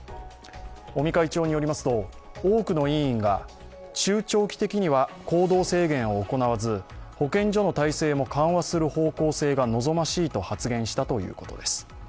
尾身会長によりますと多くの委員が中長期的には行動制限を行わず、保健所の体制も緩和する方向性が望ましいと発言したということです。